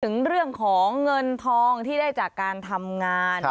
ถึงเรื่องของเงินทองที่ได้จากการทำงาน